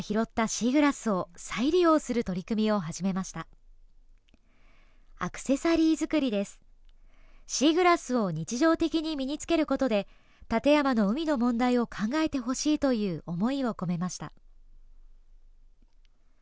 シーグラスを日常的に身に着けることで館山の海の問題を考えてほしいという思いを込めました。